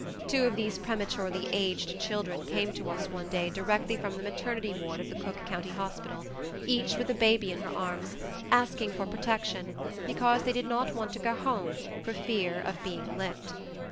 Two of these prematurely aged children came to us one day directly from the maternity ward of the Cook County hospital, each with a baby in her arms, asking for protection, because they did not want to go home for fear of "being licked."